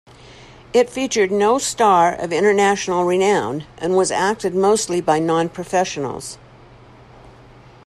It featured no star of international renown and was acted mostly by non-professionals.